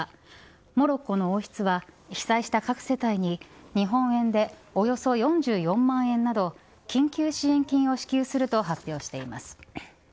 モロッコの王室は被災した各世帯に日本円でおよそ４４万円など緊急支援金を支給すると発表しています。